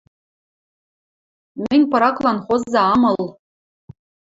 Мӹнь пыраклан хоза ам ыл...